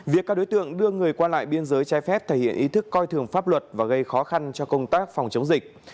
việc các đối tượng đưa người qua lại biên giới trái phép thể hiện ý thức coi thường pháp luật và gây khó khăn cho công tác phòng chống dịch